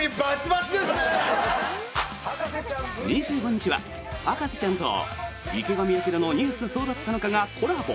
２５日は「博士ちゃん」と「池上彰のニュースそうだったのか！！」がコラボ。